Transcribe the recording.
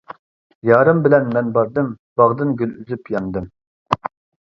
يارىم بىلەن مەن باردىم، باغدىن گۈل ئۈزۈپ ياندىم.